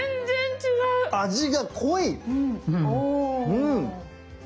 うん！